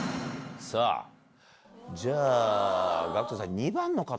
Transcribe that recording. じゃあＧＡＣＫＴさん。